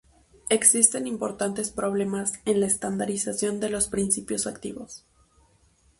Existen importantes problemas en la estandarización de los principios activos.